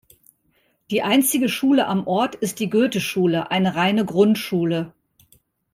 Die einzige Schule am Ort ist die Goetheschule, eine reine Grundschule.